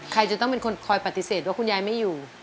ใครจะต้องเป็นคนคอยปฏิเสธว่าคุณยายไม่อยู่